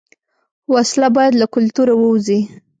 وسله باید له کلتوره ووځي